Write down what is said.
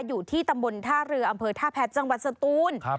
อยู่ที่ตำบลท่าเรืออำเภอท่าแพทย์จังหวัดสตูน